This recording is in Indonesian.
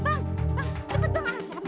bang cepet bang